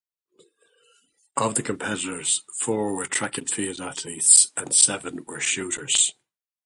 Of the competitors, four were track and field athletes, and seven were shooters.